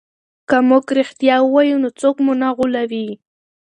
که موږ رښتیا ووایو نو څوک مو نه غولوي.